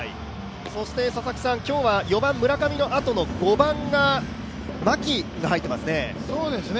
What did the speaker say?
そして今日は４番・村上のあとの５番が牧が入ってますね。